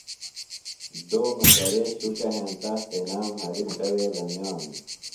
دومہ کرے شُکہ ہینتہ تنام ہریۡ مُٹہ وے لمیانوۡ۔